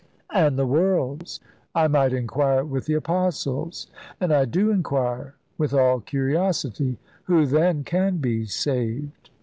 "And the world's. I might inquire with the Apostles, and I do inquire, with all curiosity, 'Who then can be saved?'"